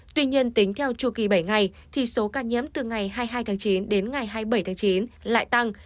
tuy nhiên tính theo chua kỳ bảy ngày số ca nhiễm từ ngày hai mươi hai chín đến ngày hai mươi bảy chín lại tăng